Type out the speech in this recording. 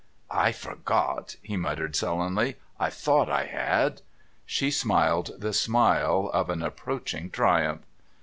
"I forgot," he muttered sullenly. "I thought I had." She smiled the smile of approaching triumph.